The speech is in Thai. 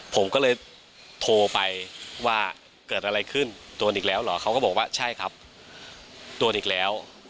ผมก็เลยโทรไปว่าเกิดอะไรขึ้นโดนอีกแล้วเหรอเขาก็บอกว่าใช่ครับโดนอีกแล้ว